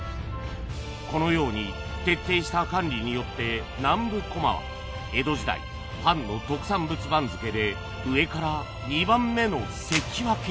このように徹底した管理によって南部駒は江戸時代で上から２番目の関脇に